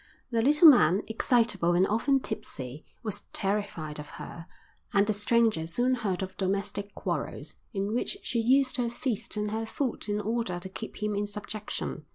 The little man, excitable and often tipsy, was terrified of her, and the stranger soon heard of domestic quarrels in which she used her fist and her foot in order to keep him in subjection.